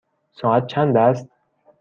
ساعت چند است؟